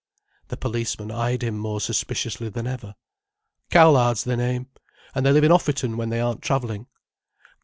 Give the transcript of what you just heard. The policeman eyed him more suspiciously than ever. "Cowlard's their name. An' they live in Offerton when they aren't travelling."